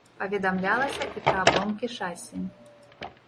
Паведамлялася і пра абломкі шасі.